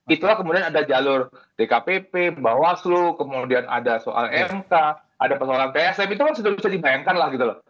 itulah kemudian ada jalur dkpp bawaslu kemudian ada soal mk ada persoalan tsm itu kan sudah bisa dibayangkan lah gitu loh